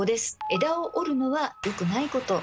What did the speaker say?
枝を折るのはよくないこと。